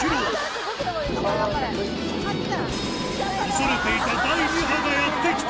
恐れていた第２波がやってきた